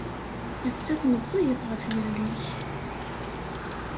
Nettat meẓẓiyet ɣef yelli-k!